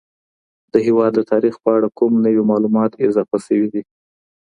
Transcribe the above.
د هیواد د تاریخ په اړه کوم نوي معلومات اضافه سوي؟